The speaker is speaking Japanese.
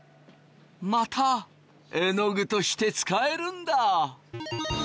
またえのぐとして使えるんだ！